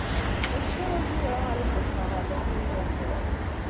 Mačči ayyur-a ara d-aseɣ ɣer Tizi n Berber.